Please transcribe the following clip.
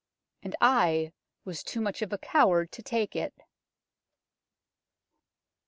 And I was too much of a coward to take it